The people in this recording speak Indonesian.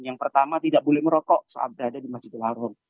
yang pertama tidak boleh merokok saat berada di masjid al haram